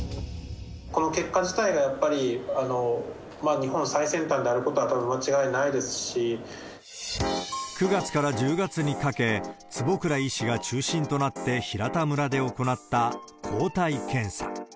この結果自体がやっぱり日本最先端であることはたぶん間違い９月から１０月にかけ、坪倉医師が中心となって平田村で行った抗体検査。